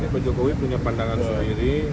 pak jokowi punya pandangan sendiri